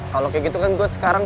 kalau kayak gitu kan gue sekarang